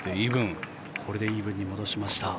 これでイーブンに戻しました。